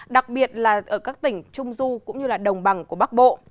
đặc biệt là ở các tỉnh trung du cũng như là đồng bằng của bắc bộ